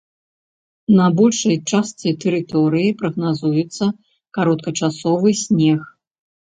На большай частцы тэрыторыі прагназуецца кароткачасовы снег.